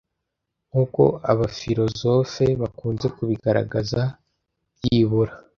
Nkuko abafilozofe bakunze kubigaragaza, byibura